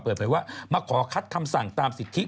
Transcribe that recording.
เปิดเผยว่ามาขอคัดคำสั่งตามสิทธิ